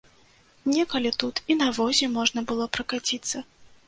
Некалі тут і на возе можна было пракаціцца.